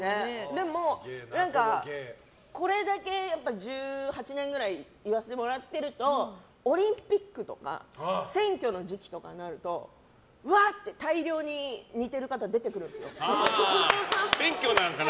でもこれだけ１８年ぐらい言わせてもらってるとオリンピックとか選挙の時期とかになるとうわって大量に似ている方出てくるんですよ。